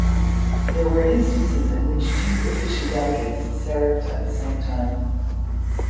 There were instances in which two official delegates served at the same time.